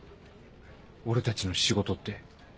俺たちの仕事って。